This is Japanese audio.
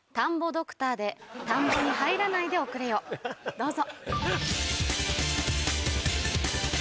どうぞ。